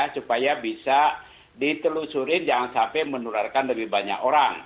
supaya bisa ditelusuri jangan sampai menularkan lebih banyak orang